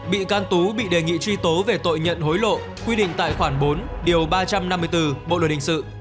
bị can tú bị đề nghị truy tố về tội nhận hối lộ quy định tại khoản bốn điều ba trăm năm mươi bốn bộ luật hình sự